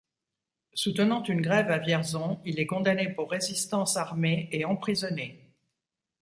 Soutenant une grève à Vierzon, il est condamné pour résistance armée et emprisonné.